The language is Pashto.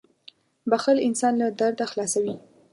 • بښل انسان له درده خلاصوي.